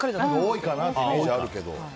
多いかなってイメージあるけど。